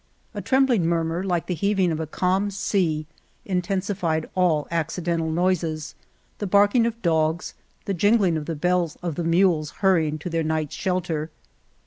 A trembling murmur, like the heav ing of a calm sea, intensified all accidental noises, the barking of dogs, the jingling of the bells of the mules hurrying to their night's shelter.